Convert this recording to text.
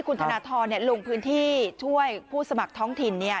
คุณธนทรลงพื้นที่ช่วยผู้สมัครท้องถิ่นเนี่ย